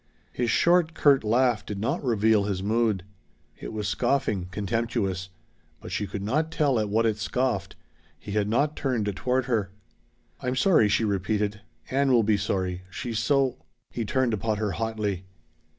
His short, curt laugh did not reveal his mood. It was scoffing contemptuous but she could not tell at what it scoffed. He had not turned toward her. "I'm sorry," she repeated. "Ann will be sorry. She's so " He turned upon her hotly.